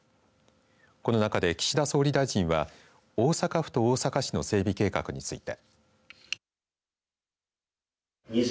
この中で岸田総理大臣は大阪府と大阪市の整備計画について。